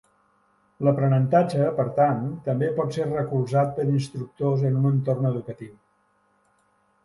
L'aprenentatge, per tant, també pot ser recolzat per instructors en un entorn educatiu.